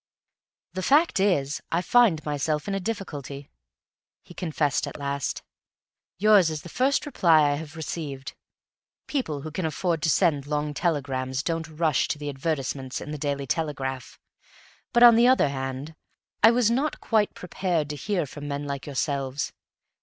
"The fact is, I find myself in a difficulty," he confessed at last. "Yours is the first reply I have received; people who can afford to send long telegrams don't rush to the advertisements in the Daily Telegraph; but, on the other hand, I was not quite prepared to hear from men like yourselves.